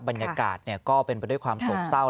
บรรยากาศก็เป็นไปด้วยความโศกเศร้า